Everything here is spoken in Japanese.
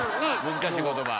難しい言葉。